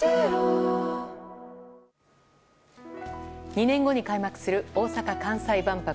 ２年後に開幕する大阪・関西万博。